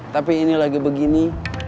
tapi ini lagi begini